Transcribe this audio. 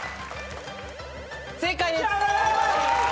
正解です。